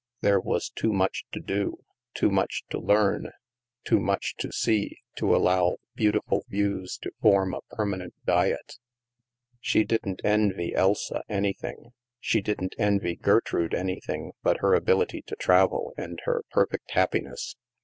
There was too much to do, too much to learn, too much to see, to allow beautiful views to form a permanent diet. She didn't envy Elsa anything. She didn't envy Gertrude anything but her ability to travel and her perfect happiness.